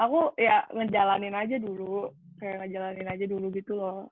aku ya ngejalanin aja dulu kayak ngejalanin aja dulu gitu loh